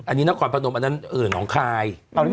อันนี้นักความประโยชน์น้องไคร